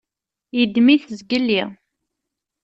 Yeddem-it zgelli.